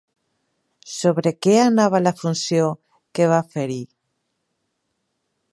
Sobre què anava la funció que va fer-hi?